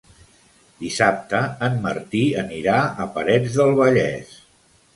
Dissabte en Martí anirà a Parets del Vallès.